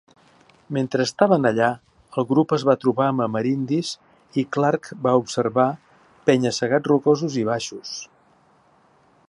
Mentre estaven allà, el grup es va trobar amb amerindis i Clark va observar "penya-segats rocosos i baixos".